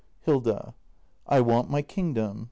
Hilda. I want my kingdom.